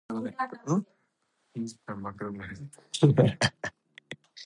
They also interpreted W. C. Handy and Lead Belly songs.